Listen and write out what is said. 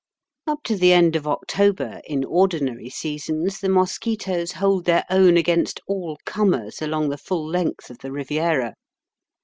Up to the end of October, in ordinary seasons, the mosquitoes hold their own against all comers along the full length of the Riviera.